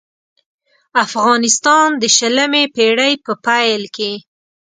افغانستان د شلمې پېړۍ په پېل کې.